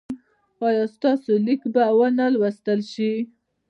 ایا ستاسو لیک به و نه لوستل شي؟